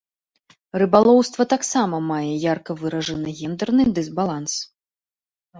Рыбалоўства таксама мае ярка выражаны гендэрны дысбаланс.